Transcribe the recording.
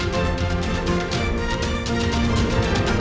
tidak hanya jual sensasi saja